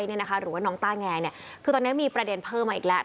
หรือว่าน้องต้าแงคือตอนนี้มีประเด็นเพิ่มมาอีกแล้ว